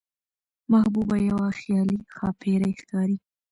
محبوبه يوه خيالي ښاپېرۍ ښکاري،